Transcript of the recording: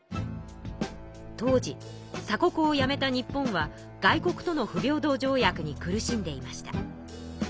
当時鎖国をやめた日本は外国との不平等条約に苦しんでいました。